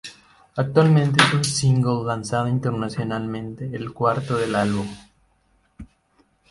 Actualmente es un single lanzado internacionalmente, el cuarto del álbum.